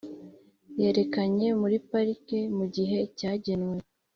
yerekanye muri parike mugihe cyagenwe.